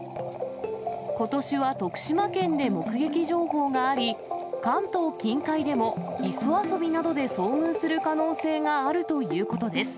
ことしは徳島県で目撃情報があり、関東近海でも磯遊びなどで遭遇する可能性があるということです。